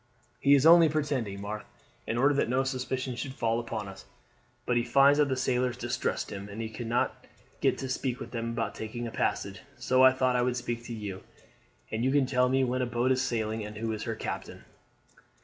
"He is only pretending, Marthe, in order that no suspicion should fall upon us. But he finds that the sailors distrust him, and he cannot get to speak to them about taking a passage, so I thought I would speak to you, and you can tell me when a boat is sailing and who is her captain."